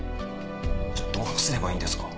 じゃあどうすればいいんですか？